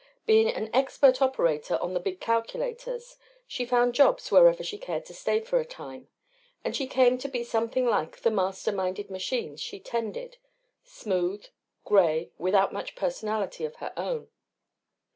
Being an expert operator on the big calculators she found jobs wherever she cared to stay for a time. And she came to be something like the master minded machines she tended smooth, gray, without much personality of her own.